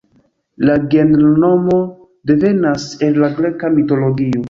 La genronomo devenas el la greka mitologio.